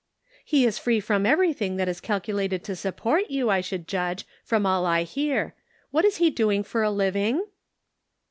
" He is free from everything that is calcu lated to support you, I should judge, from all I hear. What is he doing for a living?"